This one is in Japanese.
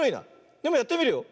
でもやってみるよ。